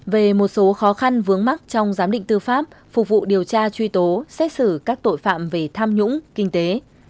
về một số khó khăn vướng mắt trong giám định tư pháp phục vụ điều tra truy tố xét xử các tội phạm về tham nhũng kinh tế